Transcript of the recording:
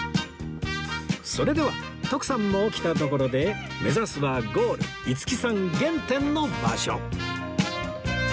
それでは徳さんも起きたところで目指すはゴール五木さん原点の場所